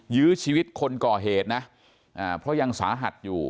ยื้อชีวิตคนก่อเหตุนะเพราะยังสาหัสอยู่